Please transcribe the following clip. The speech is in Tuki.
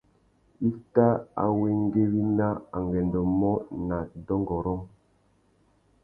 I tà awéngüéwina angüêndô mô nà dôngôrông.